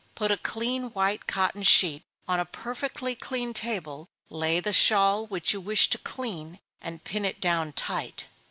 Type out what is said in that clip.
Put a clean white cotton sheet on a perfectly clean table, lay on the shawl which you wish to clean, and pin it down tight.